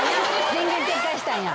前言撤回したんや。